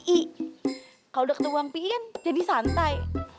kalau udah ketemu bang p i kan jadi santai